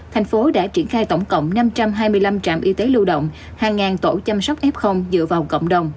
thành phố đã triển khai tổng cộng năm trăm hai mươi năm trạm y tế lưu động hàng tổ chăm sóc f dựa vào cộng đồng